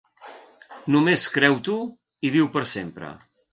Només creu-t'ho, i viu per sempre.